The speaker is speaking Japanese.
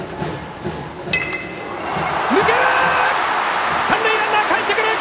抜ける！